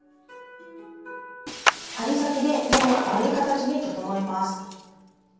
針先で目を丸い形に整えます。